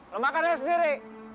lu makan aja sendiri